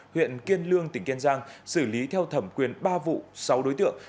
huyện kiên lương tỉnh kiên giang xử lý theo thẩm quyền ba vụ sáu đối tượng